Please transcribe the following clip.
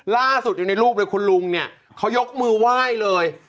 ล่าสุดอยู่ในรูปเลยคุณลุงเนี่ยเขายกมือไหว้เลย